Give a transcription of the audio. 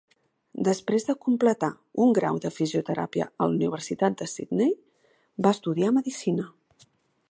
Després de completar un grau de fisioteràpia a la Universitat de Sydney, va estudiar medicina.